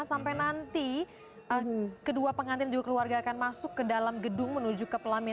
sampai nanti kedua pengantin juga keluarga akan masuk ke dalam gedung menuju ke pelaminan